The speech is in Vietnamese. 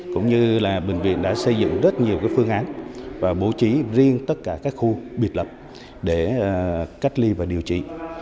cũng như là bệnh viện đã xây dựng rất nhiều phương án và bố trí riêng tất cả các khu biệt lập để cách ly và điều trị